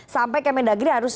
sampai kmn dagri harus